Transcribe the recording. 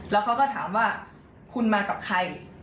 แล้วเขาก็ถามว่าคุณมากับใคร